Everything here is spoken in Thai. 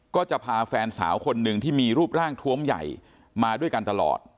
ก็จะพาแฟนสาวคนหนึ่งที่มีรูปร่างทวมใหญ่มาด้วยกันตลอด